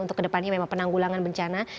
untuk kedepannya memang penanggulangan bencana